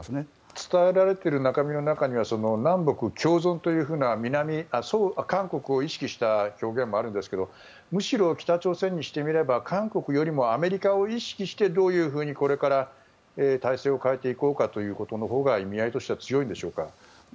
伝えられている中身の中には南北共存という韓国を意識した表現もありますがむしろ、北朝鮮にしてみれば韓国よりもアメリカを意識してどういうふうにこれから体制を変えていこうかのほうが意味合いとしては強いのでしょうか。